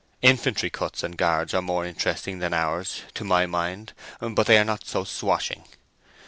Infantry cuts and guards are more interesting than ours, to my mind; but they are not so swashing.